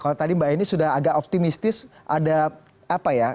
kalau tadi mbak eni sudah agak optimistis ada apa ya